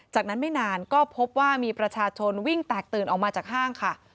จากนั้นไม่นานก็พบว่ามีประชาชนวิ่งแตกตื่นออกมาจากห้างค่ะ